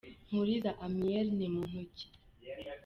Nkuriza Amiel ni muntu ki ?